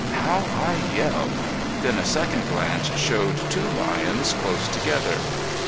How I yelled! Then a second glance showed two lions close together.